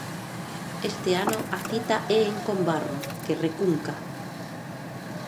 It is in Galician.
Este ano a cita é en Combarro, que recunca.